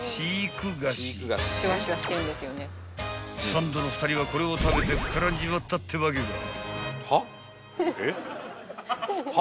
［サンドの２人はこれを食べて膨らんじまったってわけか］